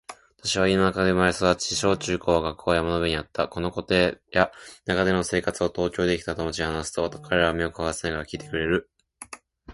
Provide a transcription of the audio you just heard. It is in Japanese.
私は田舎で生まれ育ち、小・中・高は学校が山の上にあった。このことや田舎での生活を東京でできた友達に話すと、彼らは目を輝かせながら聞いてくれる。